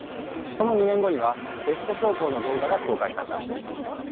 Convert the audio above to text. その２年後にはテスト走行の動画が公開された。